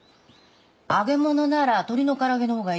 揚げ物なら鶏の空揚げの方がいい。